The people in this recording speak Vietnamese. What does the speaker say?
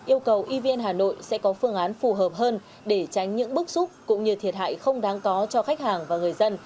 yêu cầu evn hà nội sẽ có phương án phù hợp hơn để tránh những bức xúc cũng như thiệt hại không đáng có cho khách hàng và người dân